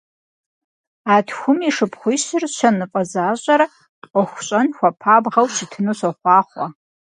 А тхум и шыпхъуищыр щэныфӀэ защӀэрэ Ӏуэху щӀэн хуэпабгъэу щытыну сохъуахъуэ!